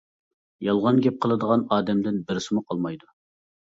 يالغان گەپ قىلىدىغان ئادەمدىن بىرسىمۇ قالمايدۇ.